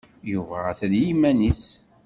Yuba atan i yiman-nnes.